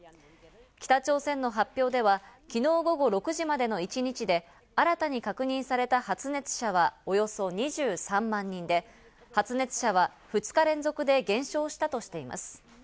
北朝鮮の発表では昨日午後６時までの一日で新たに確認された発熱者はおよそ２３万人で、発熱者は２日連続で減少したとしています。